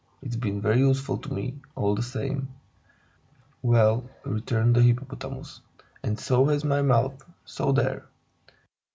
It's been very useful to me, all the same." "Well," returned the Hippopotamus, "and so has my mouth, so there!